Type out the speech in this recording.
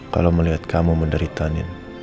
kalau melihat kamu menderita nind